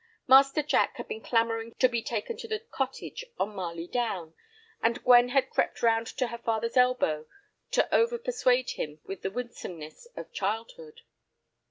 Master Jack had been clamoring to be taken to the cottage on Marley Down, and Gwen had crept round to her father's elbow to overpersuade him with the winsomeness of childhood.